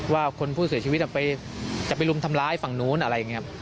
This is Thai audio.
ว่าคนผู้เสียชีวิตจะไปรุมทำร้ายฝั่งนู้นอะไรอย่างนี้ครับ